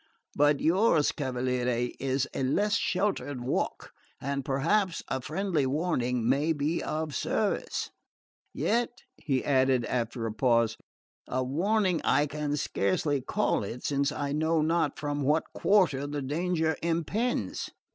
But yours, cavaliere, is a less sheltered walk, and perhaps a friendly warning may be of service. Yet," he added after a pause, "a warning I can scarce call it, since I know not from what quarter the danger impends.